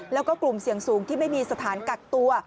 แล้วก็กลุ่มเสี่ยงสูงที่ไม่มีสถานกักตัว